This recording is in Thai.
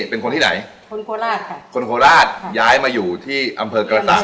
เป็นคนที่ไหนคนโคราชค่ะคนโคราชย้ายมาอยู่ที่อำเภอกระสัง